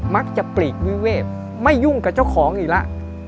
มักจะปลีกวีเวฟไม่ยุ่งกับเจ้าของอีกแล้ว